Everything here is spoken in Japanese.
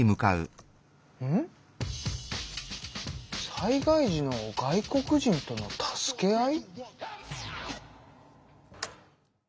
「災害時の外国人との助け合い」？